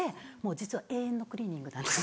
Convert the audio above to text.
実は永遠のクリーニングなんです。